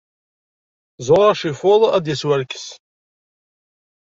Zzuɣer acifuḍ ar d-yas warkas.